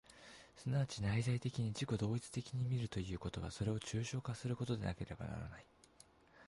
即ち内在的に自己同一的に見るということは、それを抽象化することでなければならない。